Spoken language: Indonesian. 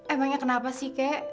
emangnya kenapa sih kek